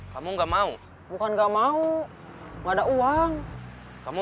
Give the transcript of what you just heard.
kamu enggak mau